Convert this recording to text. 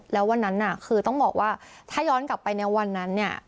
แล้ววันนั้นน่ะคือต้องบอกว่าถ้าย้อนกลับไปในวันนั้นเนี่ย